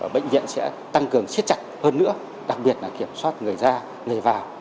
bệnh viện sẽ tăng cường siết chặt hơn nữa đặc biệt là kiểm soát người ra người vào